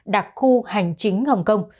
đặc khu hành chính hồng kông